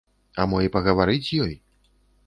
А мо і пагаварыць з ёй?